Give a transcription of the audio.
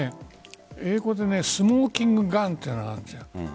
英語でスモーキングガンというのがあるんです。